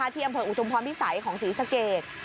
ที่อำเภออุทุมพรพิสัยของศรีสเกต